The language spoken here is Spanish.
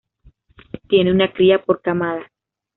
Tienen una cría por camada.